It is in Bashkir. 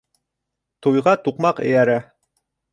Туйға туҡмаҡ эйәрә.